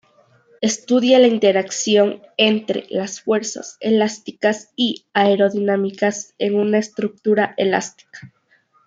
Estudia la interacción entre las fuerzas elásticas y aerodinámicas en una estructura elástica.